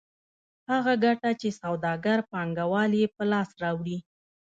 هغه ګټه چې سوداګر پانګوال یې په لاس راوړي